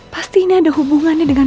pastinya ada hubungannya dengan